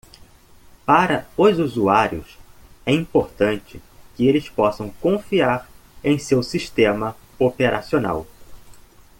Para os usuários, é importante que eles possam confiar em seu sistema operacional.